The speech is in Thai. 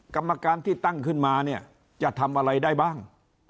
กรรมการที่ตั้งขึ้นมาเนี่ยจะทำอะไรได้บ้าง